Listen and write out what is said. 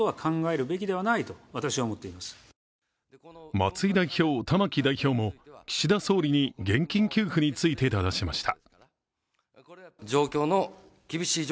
松井代表、玉木代表も岸田総理に現金給付についてただしました。